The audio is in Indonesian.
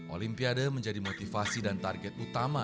olimpiade menjadi motivasi dan target utama